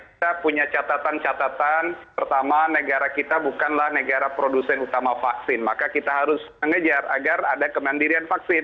kita punya catatan catatan pertama negara kita bukanlah negara produsen utama vaksin maka kita harus mengejar agar ada kemandirian vaksin